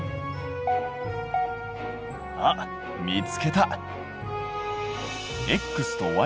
あっ見つけた。